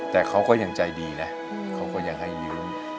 แต่เขาก็ยังใจดีนะเขาก็ยังให้ยืม